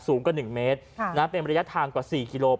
กว่า๑เมตรเป็นระยะทางกว่า๔กิโล